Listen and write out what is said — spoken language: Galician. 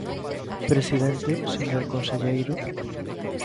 Presidente; señor conselleiro.